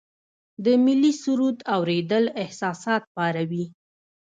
د ملي سرود اوریدل احساسات پاروي.